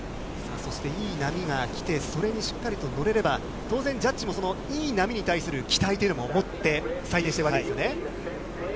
そしていい波が来て、それにしっかりと乗れれば、当然ジャッジもそのいい波に対する期待というのも持って、採点しているわけですよね。